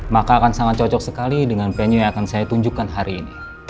maka akan sangat cocok sekali dengan venue yang akan saya tunjukkan hari ini